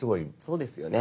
そうですよね。